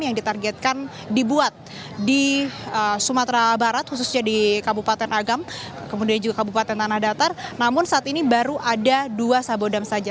yang ditargetkan dibuat di sumatera barat khususnya di kabupaten agam kemudian juga kabupaten tanah datar namun saat ini baru ada dua sabodam saja